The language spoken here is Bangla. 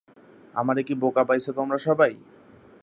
আমারে কি বোকা পাইছো তোমরা সবাই?